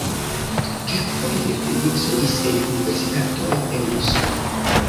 Kelkfoje li instruis en universitatoj en Usono.